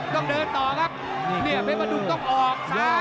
ขยับเนียวต้องออกซ้าย